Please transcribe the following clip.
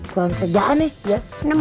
kurang kerjaan ya